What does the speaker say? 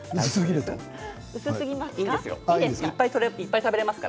薄すぎますか？